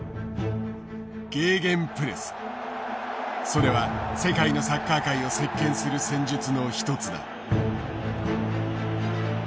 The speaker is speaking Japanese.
それは世界のサッカー界を席けんする戦術の一つだ。